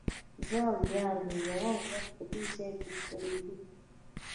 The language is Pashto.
زه او یار مې یوه ورځ په دې ځای کې څریدو.